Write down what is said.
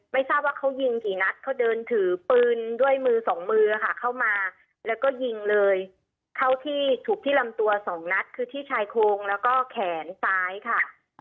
ไม่ทราบว่าเขายิงกี่นัดเขาเดินถือปืนด้วยมือสองมือค่ะเข้ามาแล้วก็ยิงเลยเข้าที่ถูกที่ลำตัวสองนัดคือที่ชายโครงแล้วก็แขนซ้ายค่ะ